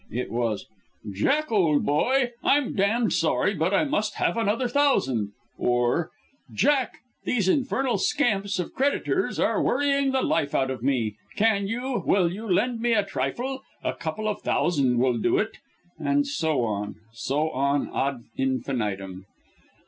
It was "Jack, old boy, I'm damned sorry, but I must have another thousand;" or, "Jack! these infernal scamps of creditors are worrying the life out of me, can you, will you, lend me a trifle a couple of thousand will do it" and so on so on, ad infinitum.